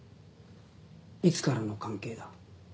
いつからの関係だ？